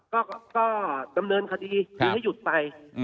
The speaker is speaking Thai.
ก็ก็ดำเนินคดีใช่หรือให้หยุดไปอืม